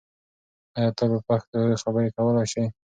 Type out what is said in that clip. آیا ته په پښتو خبرې کولای سې؟